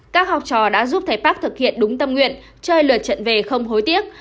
các học trò đã giúp thầy park thực hiện đúng tâm nguyện chơi lượt trận về không hối tiếc